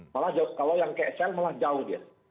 malah kalau yang ke sl malah jauh dia